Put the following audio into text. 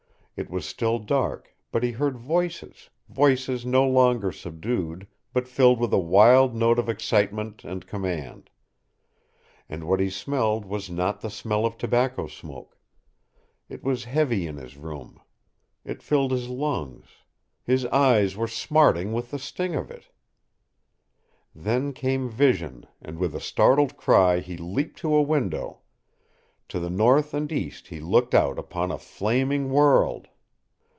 It was still dark, but he heard voices, voices no longer subdued, but filled with a wild note of excitement and command. And what he smelled was not the smell of tobacco smoke! It was heavy in his room. It filled his lungs. His eyes were smarting with the sting of it. Then came vision, and with a startled cry he leaped to a window. To the north and east he looked out upon a flaming world!